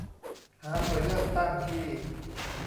หาหน่วยเลือกตั้งที่